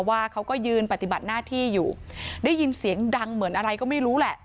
ว่าเขาก็ยืนปฏิบัติหน้าที่อยู่ได้ยินเสียงดังเหมือนอะไรก็ไม่รู้แหละ